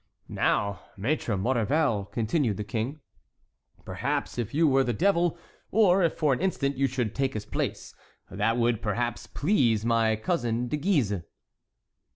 Now, Maître Maurevel," continued the King, "perhaps if you were the devil, or if for an instant you should take his place, that would perhaps please my cousin De Guise."